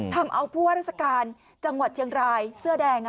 ทำเอาผู้ว่าราชการจังหวัดเชียงรายเสื้อแดง